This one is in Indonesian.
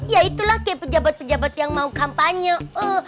ya itulah kayak pejabat pejabat yang mau kampanye